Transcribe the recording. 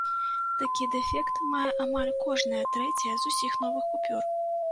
Такі дэфект мае амаль кожная трэцяя з усіх новых купюр.